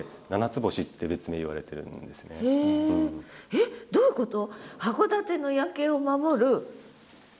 えっどういうこと？